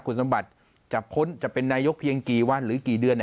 คุณสมบัติจะพ้นจะเป็นนายกเพียงกี่วันหรือกี่เดือน